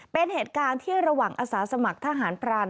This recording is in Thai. เป็นเหตุการณ์ที่ระหว่างอาสาสมัครทหารพราน